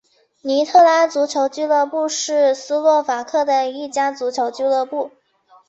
尼特拉足球俱乐部是斯洛伐克的一家足球俱乐部。